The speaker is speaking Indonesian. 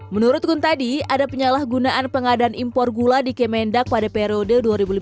menurut kuntadi ada penyalahgunaan pengadaan impor gula di kemendak pada periode dua ribu lima belas dua ribu